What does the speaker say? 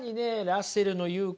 ラッセルの言う